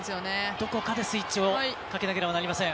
どこかでスイッチをかけなければいけません。